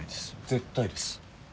絶対です。